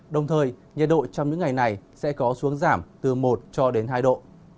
đồng thời nhiệt độ trong những ngày này sẽ có xuống giảm từ một cho đến hai độ